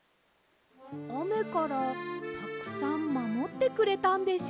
あめからたくさんまもってくれたんでしょうか？